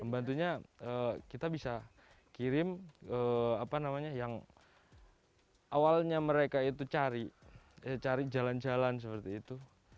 membantunya kita bisa kirim yang awalnya mereka itu cari cari jalan jalan seperti itu